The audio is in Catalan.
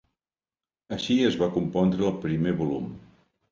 Així es va compondre el primer volum.